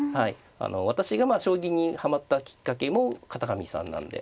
私が将棋にはまったきっかけも片上さんなんで。